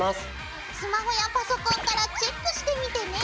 スマホやパソコンからチェックしてみてね。